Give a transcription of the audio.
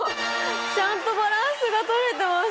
ちゃんとバランスが取れてます。